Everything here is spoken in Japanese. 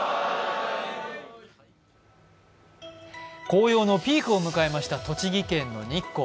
紅葉のピークを迎えました栃木県の日光。